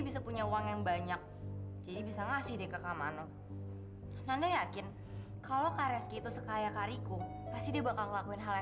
sampai jumpa di video selanjutnya